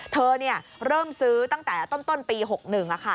เธอเนี่ยเริ่มซื้อตั้งแต่ต้นปี๖๑ค่ะ